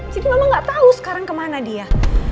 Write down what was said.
jadi mama gak tau sekarang kemana dia